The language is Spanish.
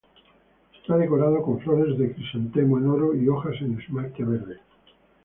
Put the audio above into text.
Está decorado con flores de crisantemo en oro y hojas en esmalte verde.